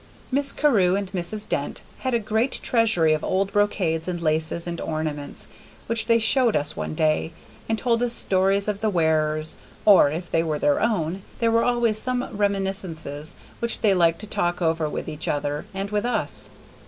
Miss Carew and Mrs. Dent had a great treasury of old brocades and laces and ornaments, which they showed us one day, and told us stories of the wearers, or, if they were their own, there were always some reminiscences which they liked to talk over with each other and with us.